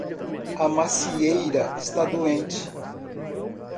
A macieira está doente